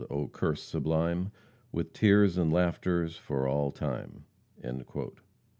oh, curse sublime With tears and laughters for all time."